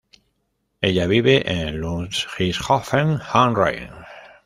Ella vive en Ludwigshafen am Rhein.